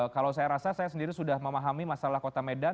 kalau saya rasa saya sendiri sudah memahami masalah kota medan